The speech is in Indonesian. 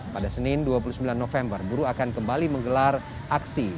pada senin dua puluh sembilan november buruh akan kembali menggelar aksi